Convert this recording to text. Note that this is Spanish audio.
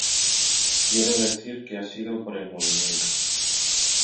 quiero decir que ha sido por el movimiento.